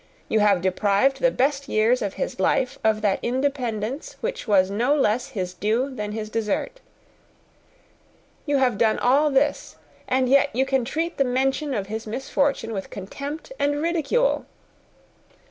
You have deprived the best years of his life of that independence which was no less his due than his desert. You have done all this! and yet you can treat the mention of his misfortunes with contempt and ridicule."